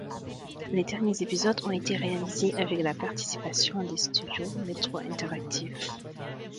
Les derniers épisodes ont été réalisés avec la participation des studios Metro Interactive.